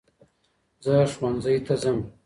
زه ښوونځی ته ځم.